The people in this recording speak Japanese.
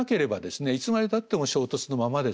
いつまでたっても衝突のままですから。